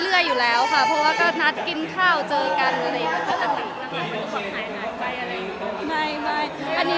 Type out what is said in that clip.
ไม่นะคะก็ปกติเลยค่ะ